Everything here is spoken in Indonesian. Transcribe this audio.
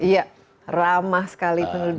iya ramah sekali penduduknya